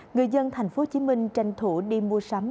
người dân tp hcm tranh thủ đi mua sắm